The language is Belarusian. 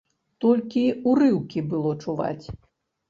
Толькі ўрыўкі было чуваць.